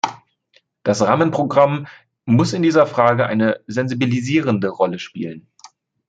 Das Rahmenprogramm muss in dieser Frage eine sensibilisierende Rolle spielen.